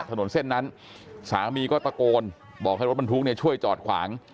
ถนนเส้นนั้นสามีก็ตะโกนบอกให้รถบรรทุกเนี่ยช่วยจอดขวาง